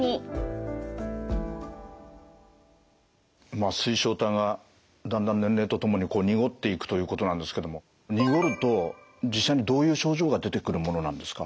まあ水晶体がだんだん年齢とともに濁っていくということなんですけども濁ると実際にどういう症状が出てくるものなんですか？